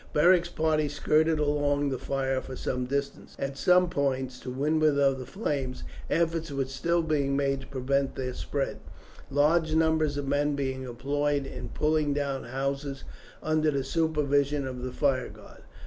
Beric's party skirted along the fire for some distance. At some points to windward of the flames efforts were still being made to prevent their spread, large numbers of men being employed in pulling down houses under the supervision of the fire guard.